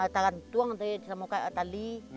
tangan itu di dalam muka tali